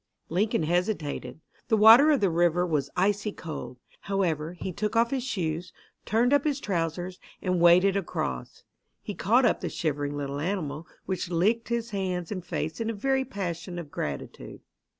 Lincoln hesitated. The water of the river was icy cold. However, he took off his shoes, turned up his trousers, and waded across. He caught up the shivering little animal, which licked his hands and face in a very passion of gratitude.